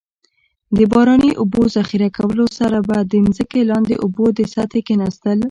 د باراني اوبو ذخیره کولو سره به د ځمکې لاندې اوبو د سطحې کیناستل.